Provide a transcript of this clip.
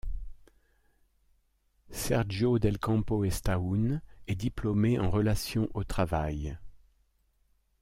Sergio del Campo Estaún est diplômé en relations au travail.